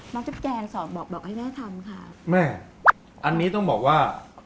น้องแจ๊กแจงต์สอบบอกให้แม่ทำค่ะแม่อันนี้ต้องบอกว่า